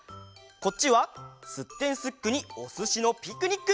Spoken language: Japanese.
こっちは「すってんすっく！」に「おすしのピクニック」。